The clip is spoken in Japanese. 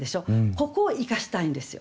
ここを生かしたいんですよ。